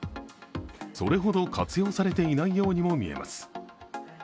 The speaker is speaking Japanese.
それほど活用されていないようにも見えます。